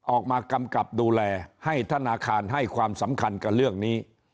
ออกมากำกับดูแลให้ธนาคารให้ความสำคัญกับเรื่องนี้